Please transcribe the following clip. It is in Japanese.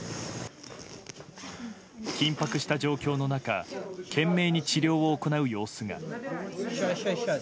緊迫した状況の中懸命に治療を行う様子が。